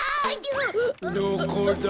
・どこだ？